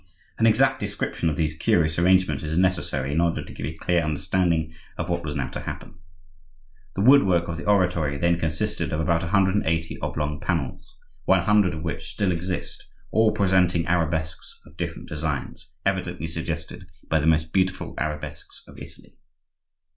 An exact description of these curious arrangements is necessary in order to give a clear understanding of what was now to happen. The woodwork of the oratory then consisted of about a hundred and eighty oblong panels, one hundred of which still exist, all presenting arabesques of different designs, evidently suggested by the most beautiful arabesques of Italy.